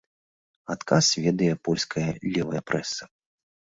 Адказ ведае польская левая прэса.